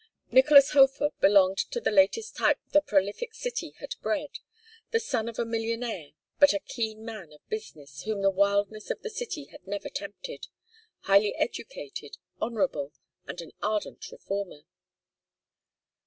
Nicolas Hofer belonged to the latest type the prolific city had bred: the son of a millionaire, but a keen man of business, whom the wildness of the city had never tempted, highly educated, honorable, and an ardent reformer.